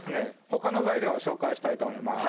ほかの材料を紹介したいと思います